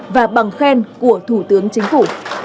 và bằng khen của thủ tướng chính phủ